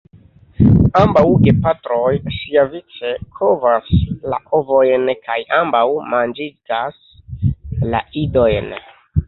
Ambaŭ gepatroj siavice kovas la ovojn kaj ambaŭ manĝigas la idojn.